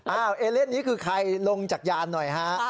เอเลนนี้คือใครลงจากยานหน่อยฮะ